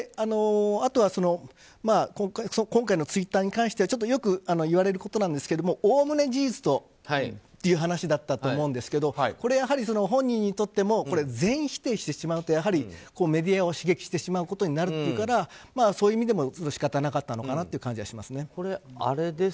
あとは今回のツイッターに関してはよく言われることですがおおむね事実という話だったと思うんですけどこれは本人にとっても全否定してしまうとやはりメディアを刺激してしまうということになるからそういう意味でも致し方なかったのかなという気がします。